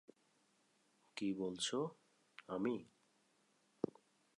কী বলছো, আমি?